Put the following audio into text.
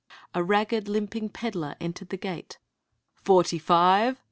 A ragged, limping peddler gitered the gj " Forty five